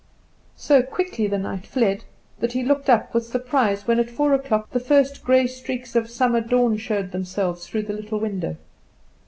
So quickly the night fled, that he looked up with surprise when at four o'clock the first grey streaks of summer dawn showed themselves through the little window.